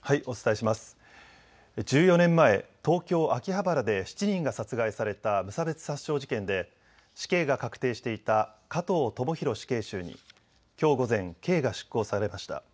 １４年前、東京秋葉原で７人が殺害された無差別殺傷事件で死刑が確定していた加藤智大死刑囚にきょう午前、刑が執行されました。